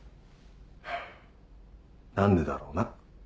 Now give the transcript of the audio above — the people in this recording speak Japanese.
ハァ何でだろうな。